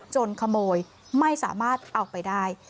ขโมยไม่สามารถเอาไปได้